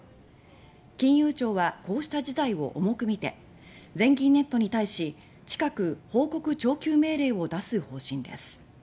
金融庁はこうした事態を重く見て全銀ネットに対し近く報告徴求命令を出す方針です。